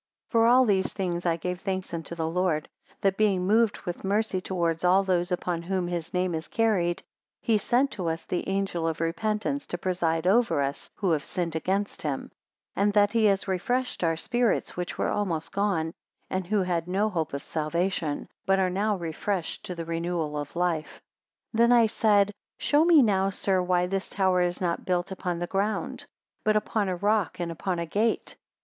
135 For all these things I gave thanks unto the Lord, that being moved with mercy towards all those upon whom his name is carried, he sent to us the angel of repentance to preside over us who have sinned against him; and that he has refreshed our spirits which were almost gone, and who had no hope of salvation, but are now refreshed to the renewal of life. 136 Then I said, Show me now sir, why this tower is not built upon the ground, but upon a rock, and upon the gate?